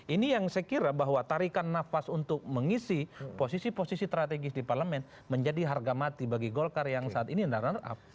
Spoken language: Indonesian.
ini yang saya kira bahwa tarikan nafas untuk mengisi posisi posisi strategis di parlemen menjadi harga mati bagi golkar yang saat ini runner up